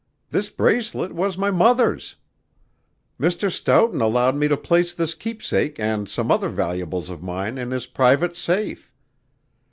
"This bracelet was my mother's. Mr. Stoughton allowed me to place this keepsake and some other valuables of mine in his private safe.